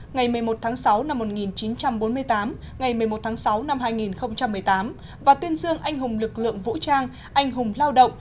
ngày một mươi một sáu một nghìn chín trăm bốn mươi tám ngày một mươi một sáu hai nghìn một mươi tám và tuyên dương anh hùng lực lượng vũ trang anh hùng lao động